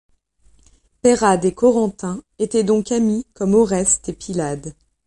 Peyrade et Corentin étaient donc amis comme Oreste et Pylade.